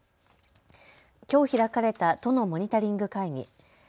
きょう開かれた都のモニタリング会議。